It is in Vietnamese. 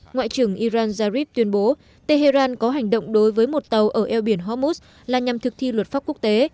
ngoại trưởng iran zarif tuyên bố tehran có hành động đối với một tàu ở eo biển hormuz là nhằm thực thi luật pháp quốc tế